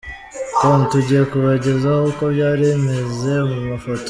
com tugiye kubagezaho uko byari bimeze mu mafoto.